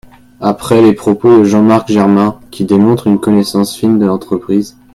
Après les propos de Jean-Marc Germain, qui démontrent une connaissance fine de l’entreprise.